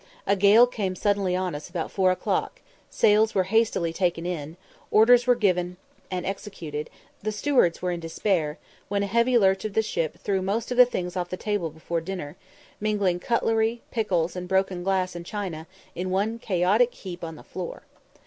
A gale came suddenly on us about four o'clock, sails were hastily taken in, orders were hurriedly given and executed, and the stewards were in despair, when a heavy lurch of the ship threw most of the things off the table before dinner, mingling cutlery, pickles, and broken glass and china, in one chaotic heap on the floor.